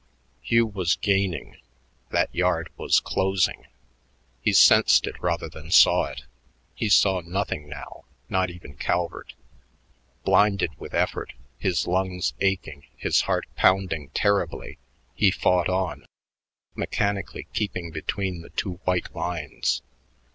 Hugh was gaining; that yard was closing. He sensed it rather than saw it. He saw nothing now, not even Calvert. Blinded with effort, his lungs aching, his heart pounding terribly, he fought on, mechanically keeping between the two white lines.